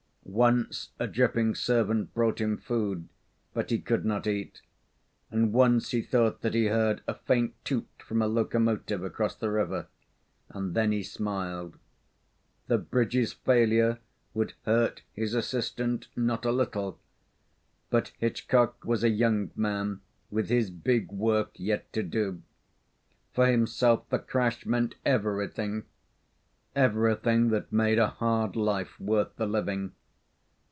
Once a dripping servant brought him food, but he could not eat; and once he thought that he heard a faint toot from a locomotive across the river, and then he smiled. The bridge's failure would hurt his assistant not a little, but Hitchcock was a young man with his big work yet to do. For himself the crash meant everything everything that made a hard life worth the living.